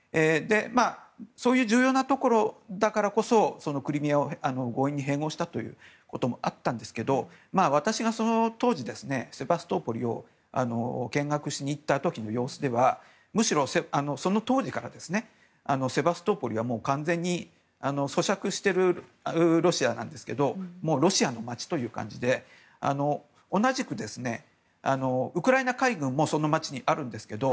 そういう重要なところだからこそクリミアを強引に併合したということもあったんですけど私がその当時、セバストポリを見学しに行った時の様子では当時からセバストポリは完全に租借しているロシアなんですけどロシアの街という感じで同じくウクライナ海軍もその街にあるんですけど